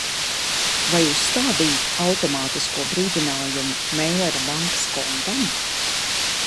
Vai uzstādīji automātisko brīdinājumu Meilera bankas kontam?